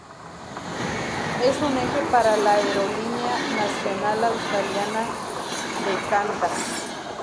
Es un eje para la aerolínea nacional australiana de Qantas.